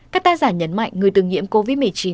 các tác giả nhấn mạnh người từng nhiễm covid một mươi chín